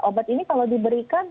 obat ini kalau diberikan